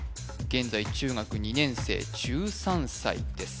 現在中学２年生１３歳です